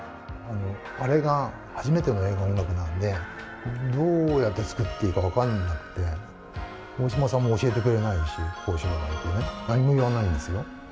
あれが初めての映画音楽なので、どうやって作っていいか分かんなくて、大島さんも教えてくれないし、こうしろなんてね、何も言わないんですよ。